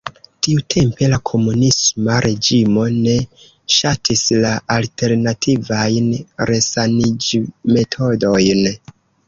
Tiutempe la komunisma reĝimo ne ŝatis la alternativajn resaniĝmetodojn.